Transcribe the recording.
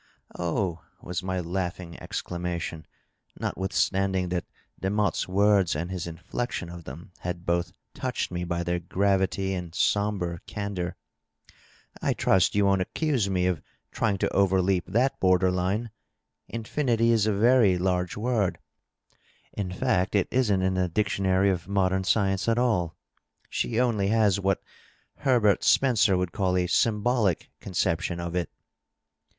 "Oh," was my laughing exclamation, notwithstanding that De motte's words and his inflection of them had both touched me by their gravity and sombre candor, " I trust you won't accuse me of trying to overleap that border line. Infinity is a vety large word ; in feet, it isn't in the dictionary of modern science at all ; she only has what Herbert Spencer would call a symbolic conception of it."